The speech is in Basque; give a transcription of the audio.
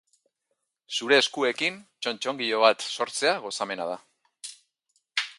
Zure eskuekin txotxongilo bat sortzea gozamena da.